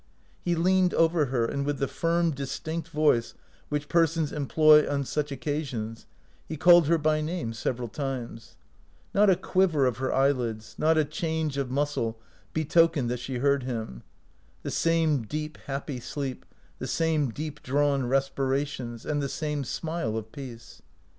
He leaned over her, and with the firm, dis tinct voice which persons employ on such occasions, he called her by name several times. Not a quiver of her eyelids, not a change of muscle betokened that she heard him. The same deep happy sleep, the same deep drawn respirations, and the same smile of peace.